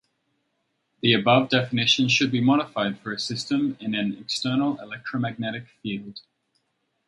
The above definition should be modified for a system in an external electromagnetic field.